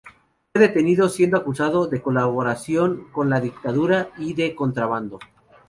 Fue detenido, siendo acusado de colaboración con la dictadura y de contrabando.